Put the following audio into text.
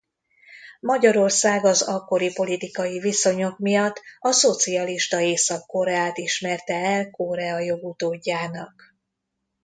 Magyarország az akkori politikai viszonyok miatt a szocialista Észak-Koreát ismerte el Korea jogutódjának.